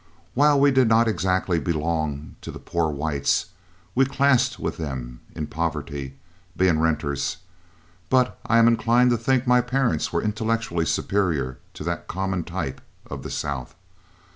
While we did not exactly belong to the poor whites, we classed with them in poverty, being renters; but I am inclined to think my parents were intellectually superior to that common type of the South.